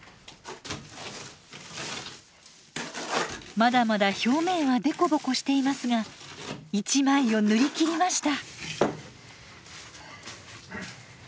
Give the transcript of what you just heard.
まだまだ表面は凸凹していますが１枚を塗りきりました。